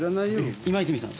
今泉さん。